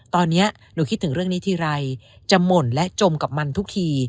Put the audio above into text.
ตอนนี้หนูคิดถึงเรื่องนี้ทีไรจะหม่นและจมกับมันทุกที